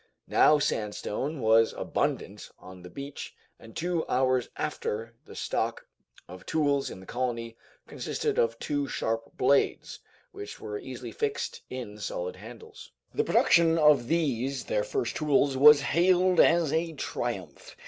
Now sandstone was abundant on the beach, and two hours after the stock of tools in the colony consisted of two sharp blades, which were easily fixed in solid handles. The production of these their first tools was hailed as a triumph.